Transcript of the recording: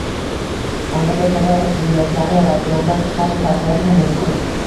Albatta shakar va shirinliklarni ratsiondan chiqarib tashlash ham mumkin